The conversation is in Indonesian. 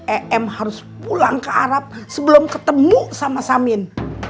em harus pulang ke arab sebelum ketemu sama samin